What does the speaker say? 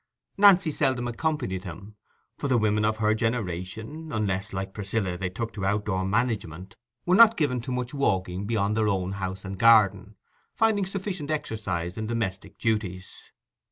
Nancy seldom accompanied him; for the women of her generation—unless, like Priscilla, they took to outdoor management—were not given to much walking beyond their own house and garden, finding sufficient exercise in domestic duties.